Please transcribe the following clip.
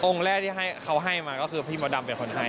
แรกที่เขาให้มาก็คือพี่มดดำเป็นคนให้